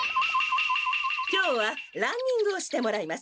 今日はランニングをしてもらいます。